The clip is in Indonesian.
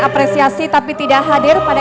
apresiasi tapi tidak hadir pada